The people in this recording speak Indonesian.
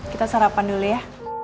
kita sarapan dulu ya